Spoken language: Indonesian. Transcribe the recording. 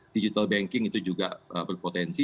digital banking itu juga berpotensi